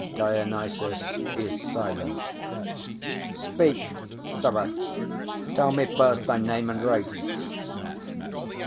[DIONYSUS is silent. Speak, sirrah; tell me first thy name and race.